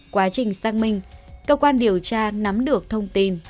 quá trình xác minh cơ quan điều tra nắm được thông tin